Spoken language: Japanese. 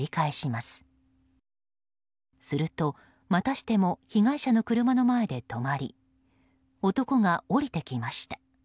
すると、またしても被害者の車の前で止まり男が降りてきました。